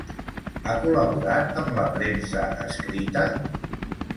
Ha col·laborat amb la premsa escrita?